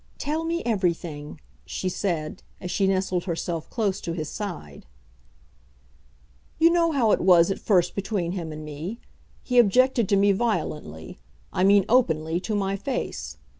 "Tell me everything," she said, as she nestled herself close to his side. "You know how it was at first between him and me. He objected to me violently, I mean openly, to my face.